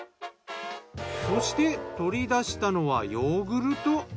そして取り出したのはヨーグルト。